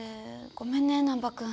ごめんね難破君。